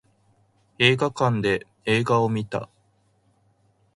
映画館で映画を見た